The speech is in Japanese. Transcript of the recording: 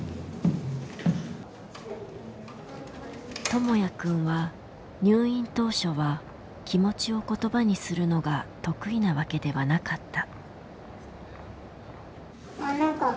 ともやくんは入院当初は気持ちを言葉にするのが得意なわけではなかった。